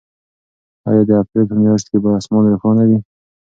آیا د اپریل په میاشت کې به اسمان روښانه وي؟